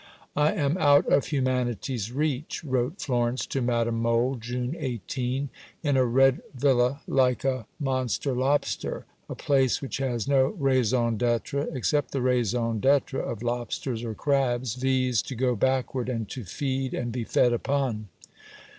"I am out of humanity's reach," wrote Florence to Madame Mohl (June 18): "in a red villa like a monster lobster: a place which has no raison d'être except the raison d'être of lobsters or crabs viz. to go backward and to feed and be fed upon.